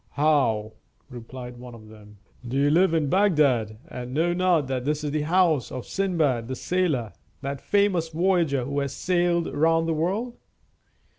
"How," replied one of them, "do you live in Bagdad, and know not that this is the house of Sindbad the Sailor, that famous voyager who has sailed round the world?"